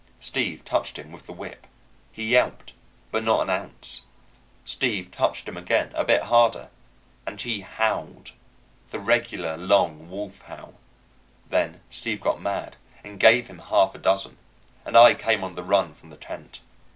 Steve touched him with the whip. He yelped, but not an ounce. Steve touched him again, a bit harder, and he howled the regular long wolf howl. Then Steve got mad and gave him half a dozen, and I came on the run from the tent.